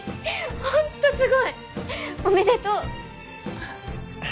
ホントすごいおめでとう！